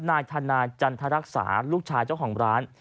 นายธนาจันทรรักษาลูกชายเจ้าของร้าน